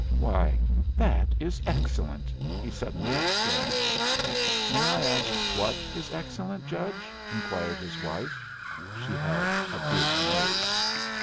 "Why, that is excellent!" he suddenly exclaimed. "May I ask what is excellent, judge?" inquired his wife. She had a big nose.